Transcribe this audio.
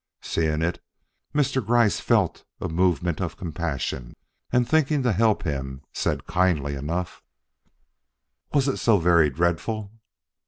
Seeing it, Mr. Gryce felt a movement of compassion, and thinking to help him, said kindly enough: "Was it so very dreadful?"